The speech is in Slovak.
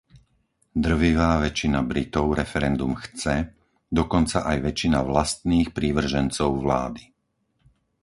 Drvivá väčšina Britov referendum chce, dokonca aj väčšina vlastných prívržencov vlády.